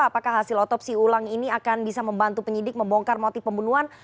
apakah hasil otopsi ulang ini akan bisa membantu penyidik membongkar motif pembunuhan